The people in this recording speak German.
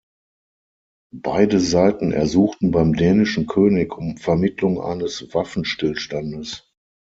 Beide Seiten ersuchten beim dänischen König um Vermittlung eines Waffenstillstandes.